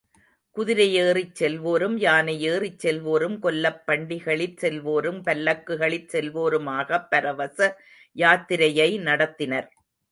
குதிரையேறிச் செல்வோரும் யானையேறிச் செல்வோரும் கொல்லப் பண்டிகளிற் செல்வோரும் பல்லக்குகளிற் செல்வோருமாகப் பரவச யாத்திரையை நடத்தினர்.